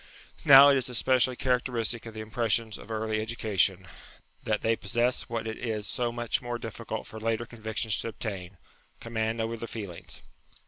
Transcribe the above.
Now it is especially cha racteristic of the impressions of early education, that they possess what it is so much more difficult for later convictions to obtain command over the feel ings.